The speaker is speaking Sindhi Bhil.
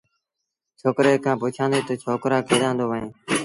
ڇوڪري کآݩ پڇيآݩدي تا ڇوڪرآ ڪيڏآݩ دو وهيݩ